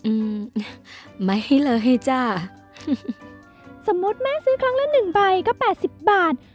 อืมไม่ให้เลยจ้าสมมุติแม่ซื้อครั้งละหนึ่งใบก็แปดสิบบาท